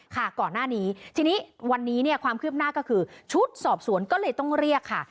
ค่ะก่อนหน้านี้ที่วันนี้เนี่ยความเคลียมหน้าก็คือชุดสอบสวนก็ลี่ต้องเรียก